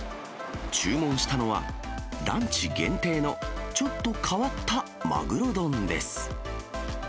注文したのは、ランチ限定のちょっと変わったマグロ丼です。